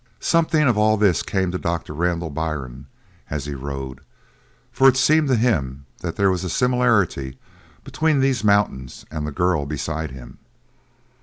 Something of all this came to Doctor Randall Byrne as he rode, for it seemed to him that there was a similarity between these mountains and the girl beside him.